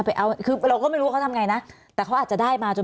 เราก็ไม่รู้ว่าเขาทำยังไงนะ